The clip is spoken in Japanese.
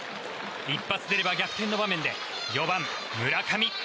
一発出れば逆転の場面で４番、村上。